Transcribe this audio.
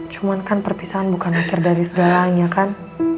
cuman kan perpisahan bukan akhir dari segalanya kan